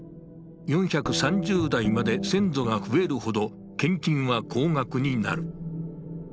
４３０代まで先祖が増えるほど献金は高額になる。